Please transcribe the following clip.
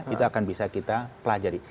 itu akan bisa kita pelajari